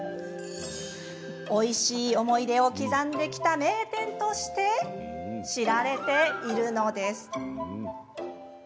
おいしい思い出を刻んできた名店として知られているのです。